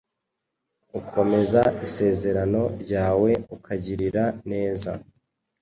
ukomeza Isezerano ryawe ukagirira neza